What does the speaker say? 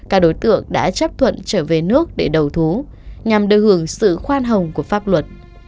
các đối tượng đã chấp thuận trở về nước để đầu thú nhằm được hưởng sự khoan hồng của pháp luật